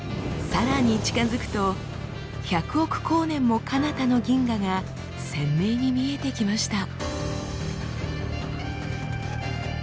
さらに近づくと１００億光年もかなたの銀河が鮮明に見えてきました。